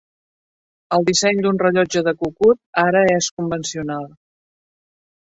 El disseny d'un rellotge de cucut ara és convencional.